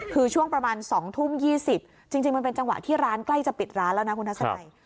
คือช่วงประมาณสองทุ่มยี่สิบจริงจริงมันเป็นจังหวะที่ร้านใกล้จะปิดร้านแล้วนะคุณท่านสไตล์